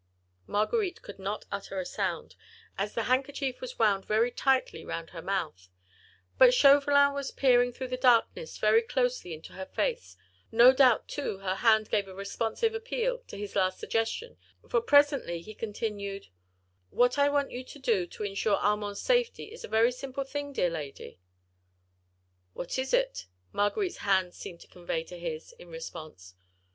Marguerite could not utter a sound, as the handkerchief was wound very tightly round her mouth, but Chauvelin was peering through the darkness very closely into her face; no doubt too her hand gave a responsive appeal to his last suggestion, for presently he continued:— "What I want you to do to ensure Armand's safety is a very simple thing, dear lady." "What is it?" Marguerite's hand seemed to convey to his, in response.